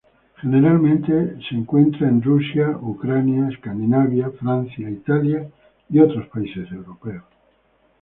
Generalmente es encontrado en Rusia, Ucrania, Escandinavia, Francia, Italia y otros países europeos.